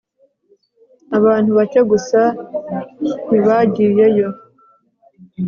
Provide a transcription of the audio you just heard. abantu bake gusa ntibagiyeyo